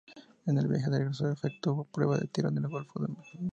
En el viaje de regreso efectuó pruebas de tiro en el Golfo Nuevo.